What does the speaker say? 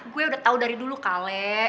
gue udah tau dari dulu kale